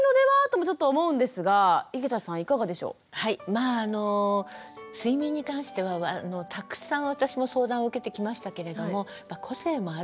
まああの睡眠に関してはたくさん私も相談を受けてきましたけれども個性もあるんですよ。